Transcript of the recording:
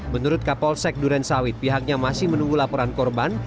menurut kapolsek durensawit pihaknya masih menunggu laporan korban